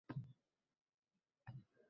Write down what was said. Mangu yoniq